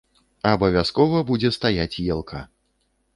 Абавязкова будзе стаяць елка!